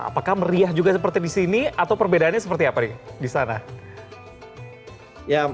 apakah meriah juga seperti di sini atau perbedaannya seperti apa nih di sana